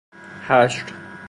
حشر